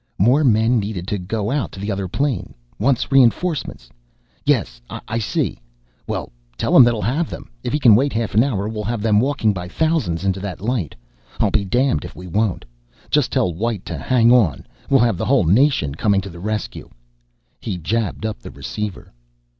More men needed to go out to the other plane. Wants reinforcements. Yes. I see. Well, tell him that he'll have them. If he can wait half an hour we'll have them walking by thousands into that light. I'll be damned if we won't! Just tell White to hang on! We'll have the whole nation coming to the rescue!" He jabbed up the receiver.